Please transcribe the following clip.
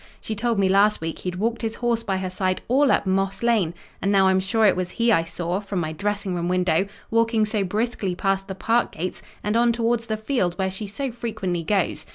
She told me last week he'd walked his horse by her side all up Moss Lane; and now I'm sure it was he I saw, from my dressing room window, walking so briskly past the park gates, and on towards the field where she so frequently goes.